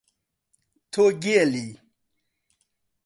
تۆ گێلی!